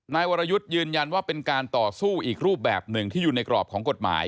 นายวรยุทธ์ยืนยันว่าเป็นการต่อสู้อีกรูปแบบหนึ่งที่อยู่ในกรอบของกฎหมาย